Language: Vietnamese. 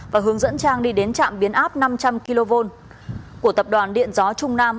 và hướng dẫn trang đi đến trạm biến áp năm trăm linh kv của tập đoàn điện gió trung nam